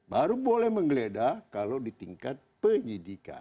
baru boleh menggeledah kalau di tingkat penyidikan